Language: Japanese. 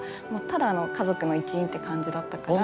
ただの家族の一員って感じだったから。